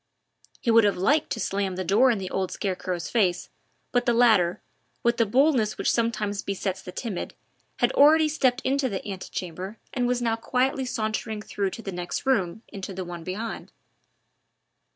He would have liked to slam the door in the old scarecrow's face, but the latter, with the boldness which sometimes besets the timid, had already stepped into the anti chambre and was now quietly sauntering through to the next room into the one beyond.